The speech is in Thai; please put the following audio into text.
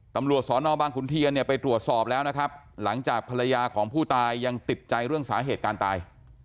ตำรวจสอนอบางขุนเทียนเนี่ยไปตรวจสอบแล้วนะครับหลังจากภรรยาของผู้ตายยังติดใจเรื่องสาเหตุการตาย